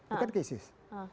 bukan ke isis